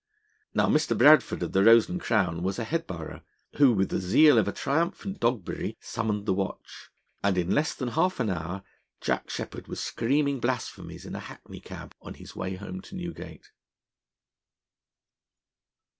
Now, Mr. Bradford, of the 'Rose and Crown,' was a head borough, who, with the zeal of a triumphant Dogberry, summoned the watch, and in less than half an hour Jack Sheppard was screaming blasphemies in a hackney cab on his way home to Newgate.